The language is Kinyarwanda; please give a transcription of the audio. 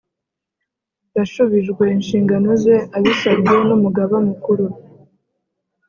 yashubijwe inshingano ze abisabwe n Umugaba Mukuru